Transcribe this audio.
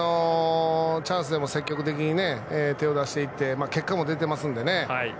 チャンスでも積極的に手を出していって、結果も出ていますんでね。